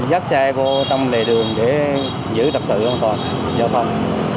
nhắc nhở họ là dắt xe vô trong lề đường để giữ tập tự không thôi giao thông